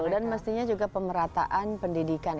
dan mestinya juga pemerataan pendidikan